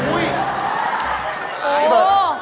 เบิร์ด